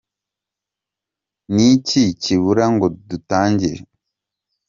Niki kibura ngo dutangire?